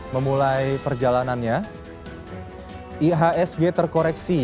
memulai perjalanannya ihsg terkoreksi